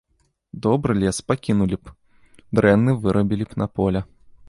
Добры лес пакінулі б, дрэнны вырабілі б на поле.